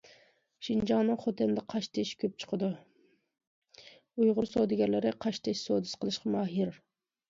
شىنجاڭنىڭ خوتەندە قاشتېشى كۆپ چىقىدۇ، ئۇيغۇر سودىگەرلىرى قاشتېشى سودىسى قىلىشقا ماھىر.